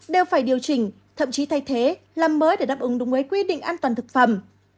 đều phải điều chỉnh thậm chí thay thế làm mới để đáp ứng đúng với quy định an toàn thực phẩm